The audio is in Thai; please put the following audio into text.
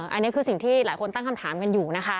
อันนี้คือสิ่งที่หลายคนตั้งคำถามกันอยู่นะคะ